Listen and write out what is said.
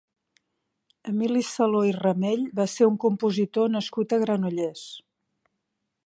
Emili Saló i Ramell va ser un compositor nascut a Granollers.